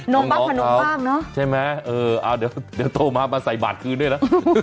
มบ้างขนมบ้างเนอะใช่ไหมเออเอาเดี๋ยวโตมามาใส่บาทคืนด้วยนะ